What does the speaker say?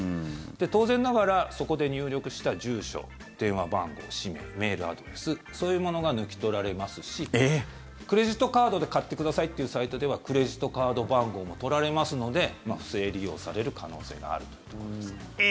当然ながら、そこで入力した住所電話番号、氏名、メールアドレスそういうものが抜き取られますしクレジットカードで買ってくださいというサイトではクレジットカード番号も取られますので不正利用される可能性があるというところですね。